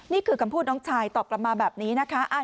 นี่คือคำพูดน้องชายตอบกลับมาแบบนี้นะคะ